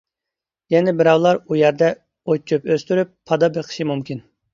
يەنە بىراۋلار ئۇ يەردە ئوت-چۆپ ئۆستۈرۈپ، پادا بېقىشى مۇمكىن.